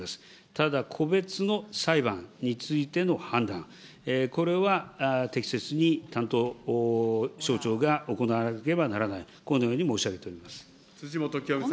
ただ、個別の裁判についての判断、これは適切にちゃんと省庁が行わなければならない、このように申辻元清美さん。